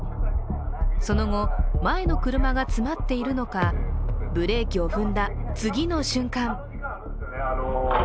その後、前の車が詰まっているのかブレーキを踏んだ次の瞬間